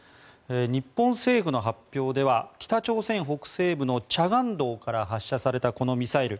日本政府の発表では北朝鮮北西部の慈江道から発射されたこのミサイル